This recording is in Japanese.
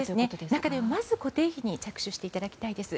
中でもまず固定費に着手していただきたいです。